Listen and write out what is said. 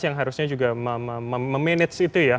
yang harusnya juga memanage itu ya